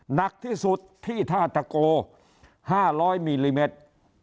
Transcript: หนักที่สุดที่ท่าตะโก๕๐๐มิลลิเมตร